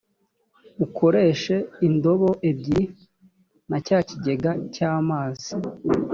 ukoreshe indobo ebyiri na cya kigega cy’amazi